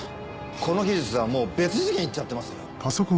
この技術ではもう別次元行っちゃってます。